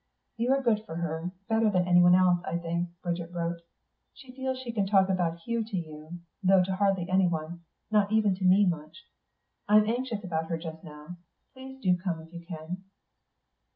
"You are good for her; better than anyone else, I think," Bridget wrote. "She feels she can talk about Hugh to you, though to hardly anyone not even to me much. I am anxious about her just now. Please do come if you can."